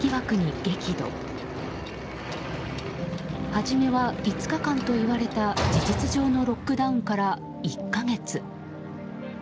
初めは５日間と言われた事実上のロックダウンから１か月。